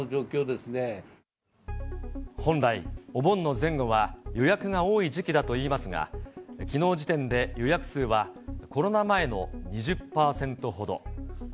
本来、お盆の前後は予約が多い時期だといいますが、きのう時点で予約数は、コロナ前の２０％ほど。